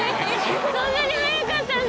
そんなに速かったんだ！